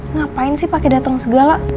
ngapain sih pakai dateng segala